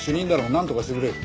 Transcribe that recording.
なんとかしてくれよ。